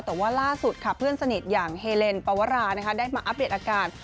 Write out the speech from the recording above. แต่ว่าล่าสุดค่ะเพื่อนสนิทอย่างเฮเลนปวราได้มาอัปเดตอาการ